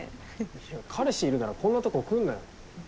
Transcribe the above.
いや彼氏いるならこんなとこ来んなよ。